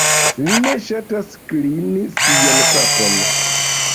Li ne ŝatas klini sian kapon.